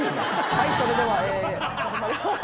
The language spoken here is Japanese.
はい、それでは始まり。